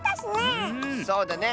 そうだね。